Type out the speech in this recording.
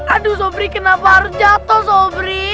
aduh sobri kenapa harus jatuh sobri